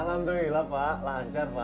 alhamdulillah pak lancar pak